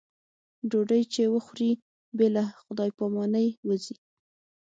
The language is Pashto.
ډوډۍ چې وخوري بې له خدای په امانۍ وځي.